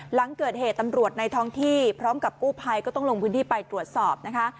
หลังเกิดเหตุตำรวจในท้องที่พร้อมกับกู้ภัยก็ต้องลงพื้นที่ไปตรวจสอบนะคะ